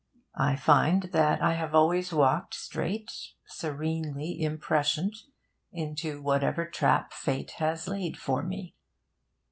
I find that I have always walked straight, serenely imprescient, into whatever trap Fate has laid for me.